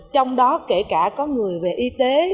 trong đó kể cả có người về y tế